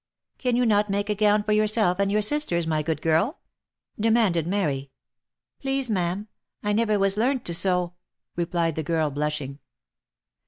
" Can you not make a gown for yourself and your sisters, my good girl?" demanded Mary. " Please, ma'am, I never was learnt to sew," replied the girl, blushing.